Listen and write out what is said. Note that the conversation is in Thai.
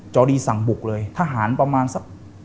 จอดีสั่งบุกเลยทหารประมาณสัก